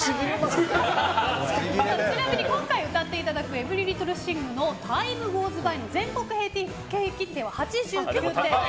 ちなみに今回歌っていただくＥｖｅｒｙＬｉｔｔｌｅＴｈｉｎｇの「Ｔｉｍｅｇｏｅｓｂｙ」の全国平均点は８９点。